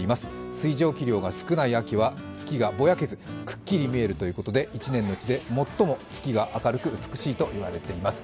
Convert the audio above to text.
水蒸気量が少ない秋は月がぼやけずくっきり見えるということで一年のうちで最も月が明るく美しいと言われています。